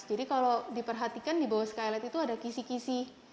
jadi kalau diperhatikan di bawah skylight itu ada kisi kisi